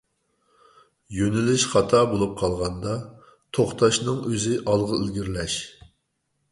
يۆنىلىش خاتا بولۇپ قالغاندا، توختاشنىڭ ئۆزى ئالغا ئىلگىرىلەش.